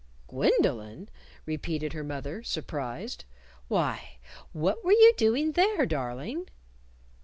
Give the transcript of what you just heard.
"Gwendolyn?" repeated her mother, surprised. "Why, what were you doing there, darling?"